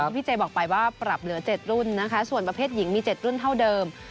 พี่เจบอกไปว่าปรับเหลือ๗รุ่นนะคะส่วนประเภทหญิงมี๗รุ่นเท่าเดิม